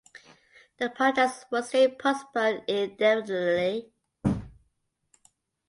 The projects were soon postponed indefinitely.